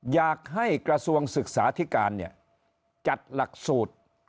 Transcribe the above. อยากให้กระทรวงศึกษาธิการจัดหลักสูตร